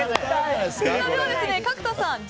角田さん